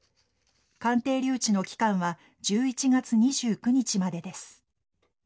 鑑定留置の期間は１１月２９日までです。